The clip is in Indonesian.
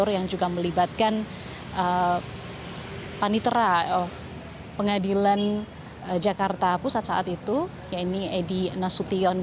yang juga melibatkan panitera pengadilan jakarta pusat saat itu yaitu edi nasution